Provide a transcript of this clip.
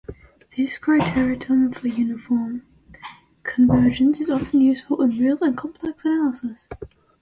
This criterion for uniform convergence is often useful in real and complex analysis.